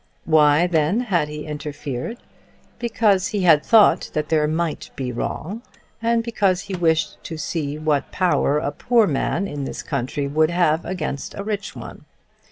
Why then had he interfered? Because he had thought that there might be wrong, and because he wished to see what power a poor man in this country would have against a rich one.